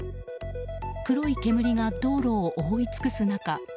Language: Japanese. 黒い煙が道路を覆い尽くす中